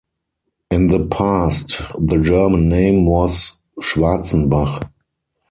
In the past the German name was "Schwarzenbach".